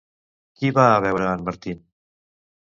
Qui va a veure en Martin?